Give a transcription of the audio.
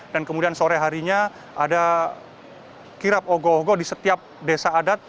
dan kemudian sore harinya ada kirap ogoh ogoh di setiap desa